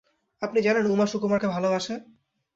আপনি জানেন উমা সুকুমারকে ভালোবাসে।